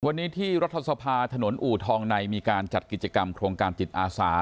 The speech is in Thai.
วันนี้ที่รัฐสภาถนนอู่ทองในมีการจัดกิจกรรมโครงการจิตอาสา